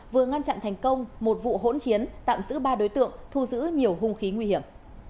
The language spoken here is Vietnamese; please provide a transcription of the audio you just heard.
vừa ngăn chặn thành công một vụ hỗn chiến tạm giữ ba đối tượng thu giữ nhiều hung khí nguy hiểm